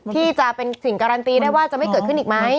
ที่จะเป็นสิ่งการันตีได้ว่าจะไม่เกิดขึ้นอีกไหม